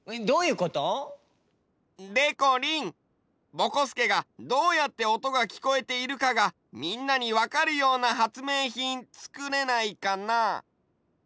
ぼこすけがどうやっておとがきこえているかがみんなにわかるようなはつめいひんつくれないかな？